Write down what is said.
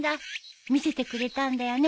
見せてくれたんだよね。